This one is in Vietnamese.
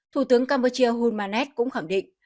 thủ tướng campuchia hun manet cũng khẳng định